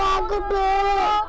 aku takut dong